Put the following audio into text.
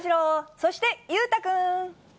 そして裕太君。